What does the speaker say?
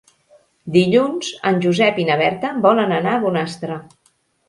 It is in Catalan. Dilluns en Josep i na Berta volen anar a Bonastre.